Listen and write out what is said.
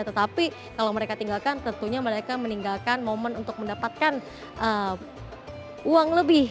tetapi kalau mereka tinggalkan tentunya mereka meninggalkan momen untuk mendapatkan uang lebih